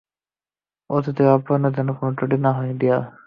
অতিথির আপ্যায়নে যেন কোন ত্রুটি না হয়, ডিয়ার।